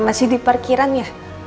masih di parkiran ya